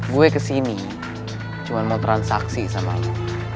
gue kesini cuma mau transaksi sama lo